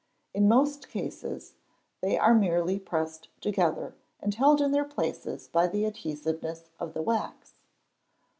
In most cases, they are merely pressed together and held in their places by the adhesiveness of the wax.